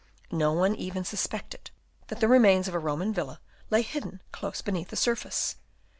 No one even suspected that the remains of a Roman villa lay hidden close beneath the surface.